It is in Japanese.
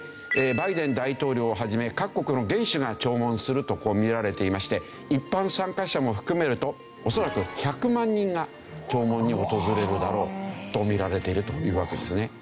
バイデン大統領を始め各国の元首が弔問すると見られていまして一般参加者も含めると恐らく１００万人が弔問に訪れるだろうと見られているというわけですね。